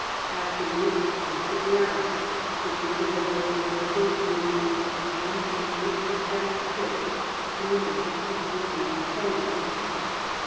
Afterwards note the grass which is of a more local green, and paint its exact pitch in relation to the preceding tones.